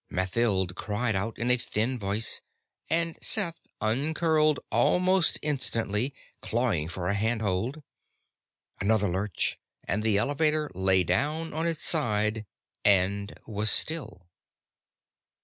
Mathild cried out in a thin voice, and Seth uncurled almost instantly, clawing for a handhold. Another lurch, and the Elevator lay down on its side and was still.